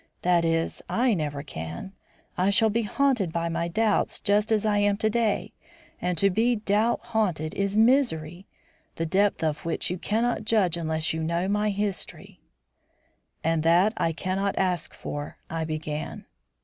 That is, I never can. I should be haunted by doubts just as I am to day, and to be doubt haunted is misery, the depth of which you cannot judge unless you know my history." "And that I cannot ask for " I began.